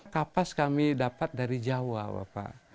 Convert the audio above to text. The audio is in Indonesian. kapas kami dapat dari jawa bapak